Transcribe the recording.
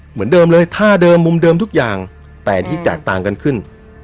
เหมือนเดิมเลยท่าเดิมมุมเดิมทุกอย่างแต่ที่แตกต่างกันขึ้น